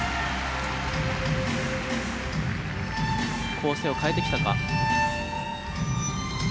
構成を変えてきたか。